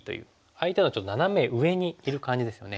相手のちょっとナナメ上にいる感じですよね。